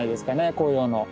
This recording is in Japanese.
紅葉の。